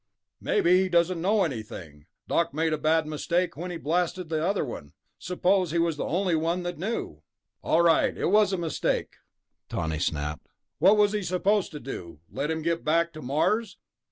"Maybe he doesn't know anything. Doc made a bad mistake when he blasted the other one ... suppose he was the only one that knew." "All right, it was a mistake," Tawney snapped. "What was he supposed to do, let him get back to Mars?